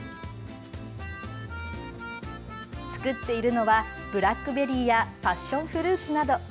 作っているのはブラックベリーやパッションフルーツなど。